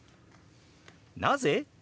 「なぜ？」。